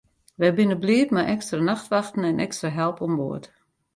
Wy binne bliid mei ekstra nachtwachten en ekstra help oan board.